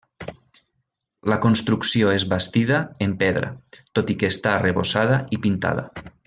La construcció és bastida en pedra, tot i que està arrebossada i pintada.